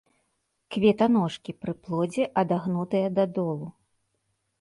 Кветаножкі пры плодзе адагнутыя дадолу.